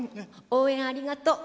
応援ありがとう。